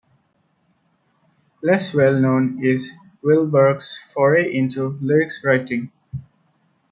Less well-known is Wilbur's foray into lyric writing.